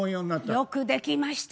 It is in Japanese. よくできました。